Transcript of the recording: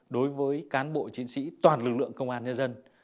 đối với cán bộ chiến sĩ toàn lực lượng công an nhân dân